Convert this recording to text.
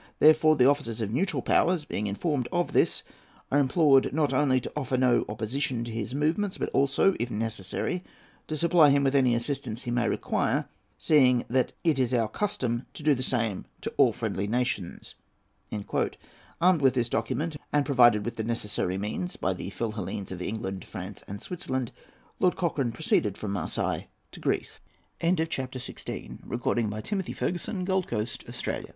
Therefore the officers of neutral powers, being informed of this, are implored, not only to offer no opposition to his movements, but also, if necessary, to supply him with any assistance he may require, seeing that it is our custom to do the same to all friendly nations." Armed with this document, and provided with the necessary means by the Philhellenes of England, France, and Switzerland, Lord Cochrane proceeded from Marseilles to Greece. APPENDIX. I. (Page 22.) The following "Resumé of the Services of the late Earl of Dundon